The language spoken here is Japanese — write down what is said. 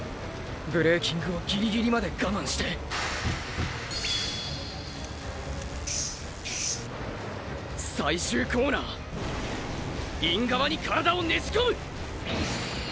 ブレーキングをギリギリまでがまんして最終コーナーイン側に体をねじこむ！！